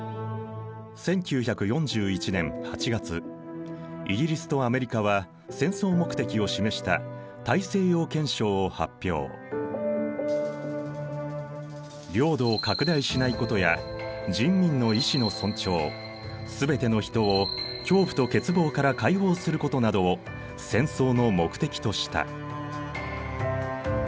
１９４１年８月イギリスとアメリカは戦争目的を示した領土を拡大しないことや人民の意思の尊重全ての人を恐怖と欠乏から解放することなどを戦争の目的とした。